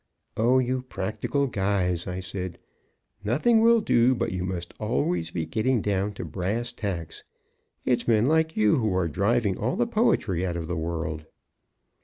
"Oh, you practical guys!" I said. "Nothing will do but you must always be getting down to brass tacks. It's men like you who are driving all the poetry out of the world."